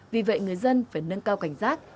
vì vậy người dân phải nâng cao cảnh giác